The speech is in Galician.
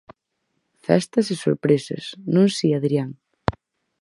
Festas e sorpresas, non si, Adrián?